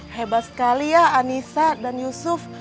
hebat sekali ya anissa dan yusuf